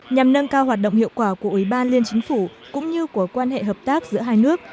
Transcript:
nhằm nâng cao hoạt động hiệu quả của ủy ban liên chính phủ cũng như của quan hệ hợp tác giữa hai nước